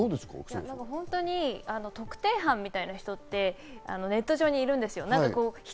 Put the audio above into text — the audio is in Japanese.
草野さ特定班みたいな人ってネット上にいるんですよ。